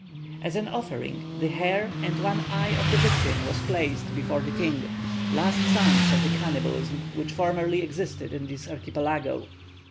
As an offering the hair and one eye of the victim was placed before the king; last signs of the cannibalism which formerly existed in this archipelago.